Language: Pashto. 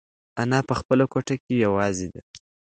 انا په خپله کوټه کې یوازې ده.